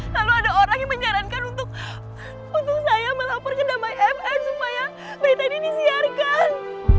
lalu ada orang yang menyarankan untuk saya melapor ke damai fn supaya medan ini disiarkan